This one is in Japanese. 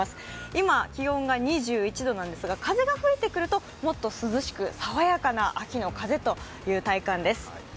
今、気温が２１度なんですが風が吹いてくるともっと涼しく、爽やかな秋の風という体感ですね。